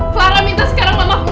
clara minta sekarang mama keluar